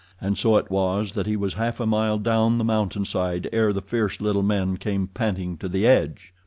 And so it was that he was half a mile down the mountainside ere the fierce little men came panting to the edge.